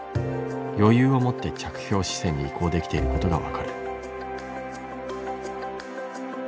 余裕を持って着氷姿勢に移行できていることが分かる。